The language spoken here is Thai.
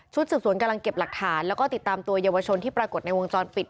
ชุดสุดจะเก็บหลักฐานแล้วติดตามตัวยาวชนที่ประกดในวงจรปิด